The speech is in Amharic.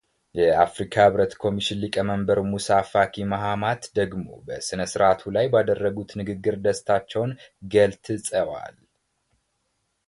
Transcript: የአፍሪካ ኅብረት ኮሚሽን ሊቀመንበር ሙሳ ፋኪ ማሐማት ደግሞ በሥነ ሥርዓቱ ላይ ባደረጉት ንግግር ደስታቸውን ገልትጸዋል